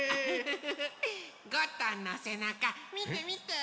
ゴットンのせなかみてみて。